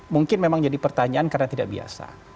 mungkin memang jadi pertanyaan karena tidak biasa